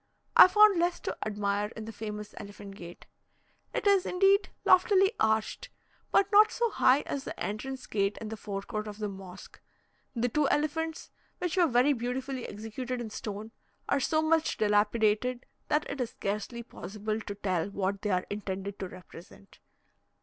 I found less to admire in the famous Elephant gate. It is, indeed, loftily arched, but not so high as the entrance gate in the fore court of the mosque; the two elephants, which were very beautifully executed in stone, are so much dilapidated, that it is scarcely possible to tell what they are intended to represent.